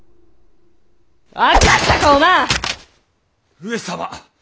上様